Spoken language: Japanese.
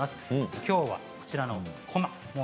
きょうはこちらの、こまです。